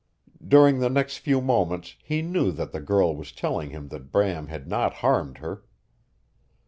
During the next few moments he knew that the girl was telling him that Bram had not harmed her.